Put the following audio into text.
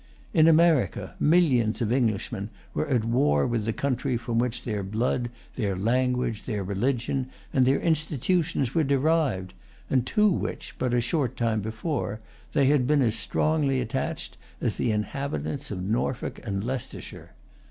In America millions of Englishmen were at war with the country from which their blood, their language,[Pg 164] their religion, and their institutions were derived, and to which, but a short time before, they had been as strongly attached as the inhabitants of Norfolk and Leicestershire.